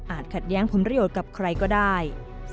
ขัดแย้งผลประโยชน์กับใครก็ได้